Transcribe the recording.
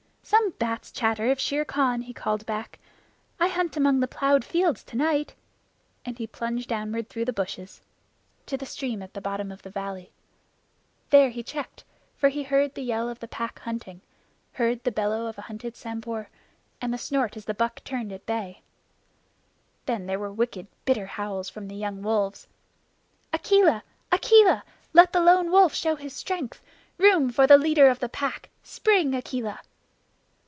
"Some bat's chatter of Shere Khan," he called back. "I hunt among the plowed fields tonight," and he plunged downward through the bushes, to the stream at the bottom of the valley. There he checked, for he heard the yell of the Pack hunting, heard the bellow of a hunted Sambhur, and the snort as the buck turned at bay. Then there were wicked, bitter howls from the young wolves: "Akela! Akela! Let the Lone Wolf show his strength. Room for the leader of the Pack! Spring, Akela!"